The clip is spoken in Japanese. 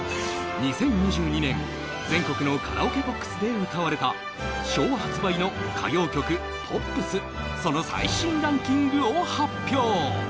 ２０２２年全国のカラオケボックスで歌われた昭和発売の歌謡曲・ポップスその最新ランキングを発表